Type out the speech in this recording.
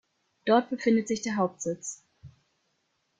Dort befindet sich der Hauptsitz.